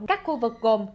các khu vực gồm